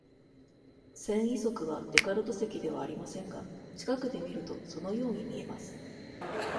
繊維束はデカルト積ではありませんが、近くで見るとそのように見えます。